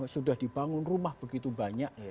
sudah dibangun rumah begitu banyak